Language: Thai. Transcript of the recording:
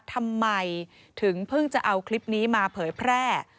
ทำไมถึงเพิ่งจะเอาคลิปนี้มาเผยแพร่